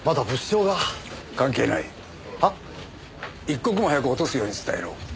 一刻も早く落とすように伝えろ。